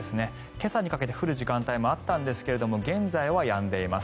今朝にかけて降る時間帯もあったんですが現在はやんでいます。